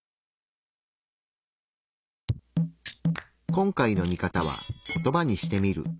今回のミカタは「コトバにしてみる」。